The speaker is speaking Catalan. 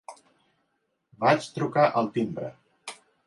Vaig trucar al timbre.